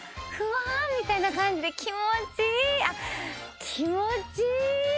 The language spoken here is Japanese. ふわーみたいな感じで気持ちいいあっ気持ちいい！